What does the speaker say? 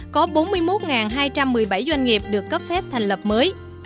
có sáu mươi tám có bốn mươi một hai trăm một mươi bảy doanh nghiệp được cấp phép thành lập mới